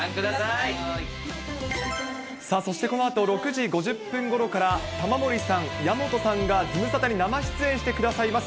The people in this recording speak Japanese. さあ、そしてこのあと６時５０分ごろから、玉森さん、矢本さんがズムサタに生出演してくださいます。